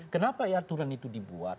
kenapa aturan itu dibuat